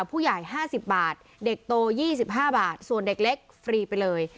ผู้ใหญ่ห้าสิบบาทเด็กโตยี่สิบห้าบาทส่วนเด็กเล็กฟรีไปเลย